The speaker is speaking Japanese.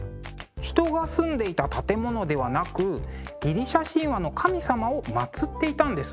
人が住んでいた建物ではなくギリシャ神話の神様を祭っていたんですね。